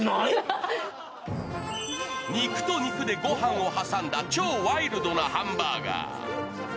肉と肉で御飯を挟んだ超ワイルドなハンバーガー。